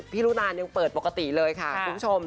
รุนานยังเปิดปกติเลยค่ะคุณผู้ชม